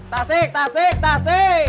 tasik tasik tasik